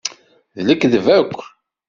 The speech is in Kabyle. D lekdeb akk.